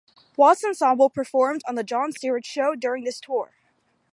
Watt's ensemble performed on "The Jon Stewart Show" during this tour.